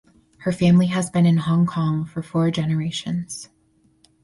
Her family has been in Hong Kong for four generations.